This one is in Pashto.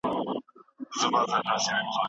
نن به بت د غرور ستا په مخ کې ناڅي